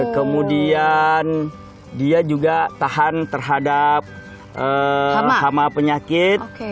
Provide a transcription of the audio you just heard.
kemudian dia juga tahan terhadap hama penyakit